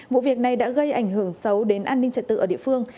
vụ việc này đã gây ảnh hưởng xấu đến an ninh trật tự ở địa phương